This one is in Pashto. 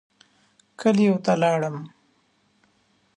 کلیو ته لاړم.